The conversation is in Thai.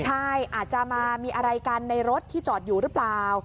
ใช่อาจจะมามีอะไรกันในรถที่จอดอยู่หรือเปล่า